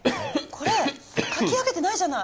これ描き上げてないじゃない。